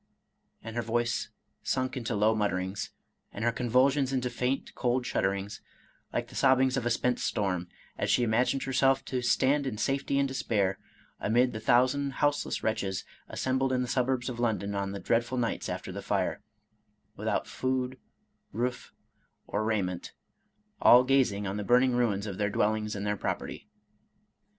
" and her voice sunk into low mutterings, and her con vulsions into faint, cold shudderings, like the sobbings of a spent storm, as she imagined herself to " stand in safety and despair," amid the thousand houseless wretches assem bled in the suburbs of London on the dreadful nights after the fire, without food, roof, or raiment, all gazing on the 192 Charles Robert Maturin burning ruins of their dwellings and their property.